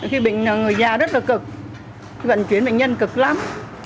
khi người già rất là cực vận chuyển bệnh nhân cực lắm